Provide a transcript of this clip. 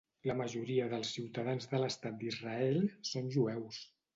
La majoria dels ciutadans de l'estat d'Israel són jueus.